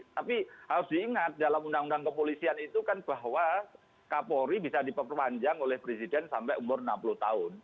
tapi harus diingat dalam undang undang kepolisian itu kan bahwa kapolri bisa diperpanjang oleh presiden sampai umur enam puluh tahun